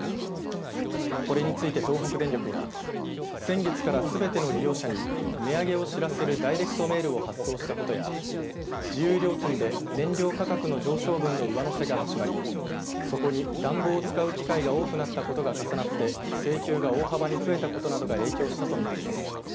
これについて、東北電力は先月からすべての利用者に値上げを知らせるダイレクトメールを発送したことや自由料金で燃料価格の上昇分の上乗せが始まりそこに暖房を使う機会が多くなったことが重なって請求が大幅に増えたことなどが影響したと見ています。